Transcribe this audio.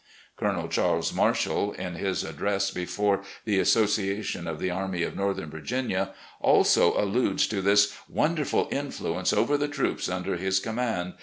Colonel Charles Marshall, in his address before the "Association of the Army of Northern Virginia," also alludes to this "wonderful influnce over the troops under his command.